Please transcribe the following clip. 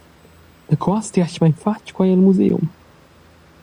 Daco has ti atgnamein fatg quei el museum?